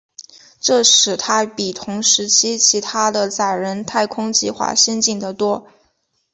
这使它比同时期其它的载人太空计划先进得多。